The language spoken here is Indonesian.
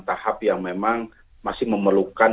tahap yang memang masih memerlukan